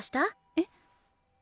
えっ？